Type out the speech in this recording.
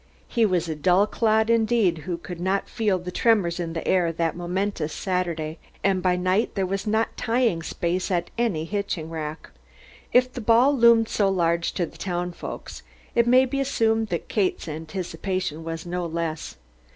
He was a dull clod indeed who could not feel the tremors in the air that momentous Saturday and by night there was not tying space at any hitching rack. If the ball loomed so large to the townfolks, it may be assumed that Kate's anticipation was no less.